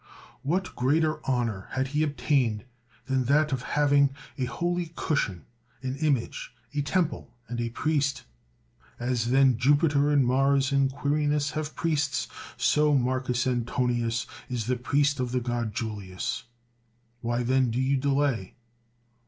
What greater honor had he obtained than that of having a holy cushion, an image, a temple, and a priest ? As then Jupiter, and Mars, and Quirinus have priests, so Marcus Antonius is the priest of the god Julius. Why then do you delay?